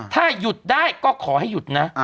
ถ้าหยุดได้ก็ขอให้หยุดนะ